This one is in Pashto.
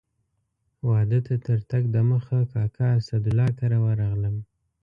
واده ته تر تګ دمخه کاکا اسدالله کره ورغلم.